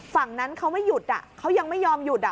ฝั่งนั้นเขาไม่หยุดเขายังไม่ยอมหยุด